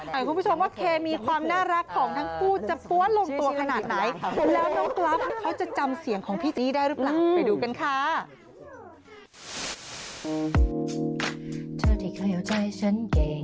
ขอให้คุณผู้ชมว่าเคมีความน่ารักของทั้งกู่จะปวดลงตัวขนาดไหน